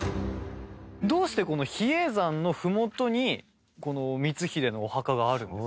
どうしてこの比叡山のふもとに光秀のお墓があるんですか？